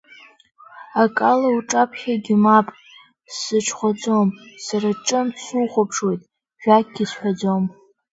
Акала уҿаԥхьагьы мап, сыҽхәаӡом, сара ҿымҭ сухәаԥшуеит, жәакгьы сҳәаӡом.